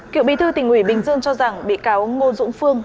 cựu bí thư tỉnh ủy bình dương cho rằng bị cáo ngô dũng phương